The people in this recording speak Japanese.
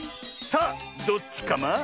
さあどっちカマ？